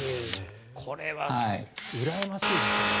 これはうらやましいですね。